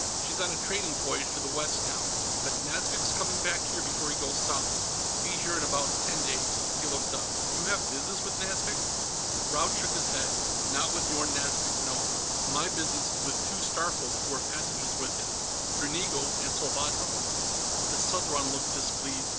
"She's on a trading voyage to the west now, but Nazvik's coming back here before he goes south. Be here in about ten days." He looked up. "You have business with Nazvik?" Raud shook his head. "Not with Yorn Nazvik, no. My business is with the two Starfolk who are passengers with him. Dranigo and Salvadro." The Southron looked displeased.